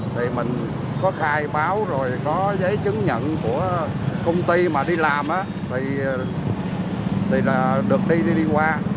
thì mình có khai báo rồi có giấy chứng nhận của công ty mà đi làm thì là được đi qua